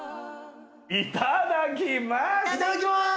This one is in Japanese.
いただきます。